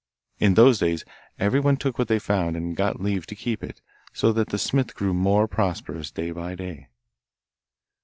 In those days everyone took what they found and got leave to keep it, so that the smith grew more prosperous day by day.